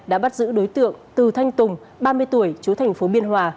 đã bắt giữ đối tượng từ thanh tùng ba mươi tuổi chú thành phố biên hòa